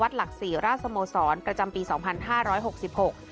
หลักศรีราชสโมสรประจำปีสองพันห้าร้อยหกสิบหก